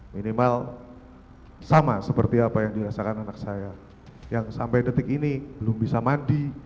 minimal sama seperti apa yang dirasakan anak saya yang sampai detik ini belum bisa mandi